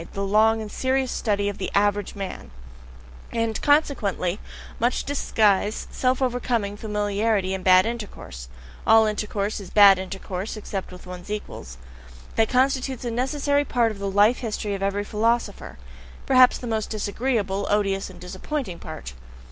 The long and serious study of the AVERAGE man and consequently much disguise, self overcoming, familiarity, and bad intercourse (all intercourse is bad intercourse except with one's equals): that constitutes a necessary part of the life history of every philosopher; perhaps the most disagreeable, odious, and disappointing part.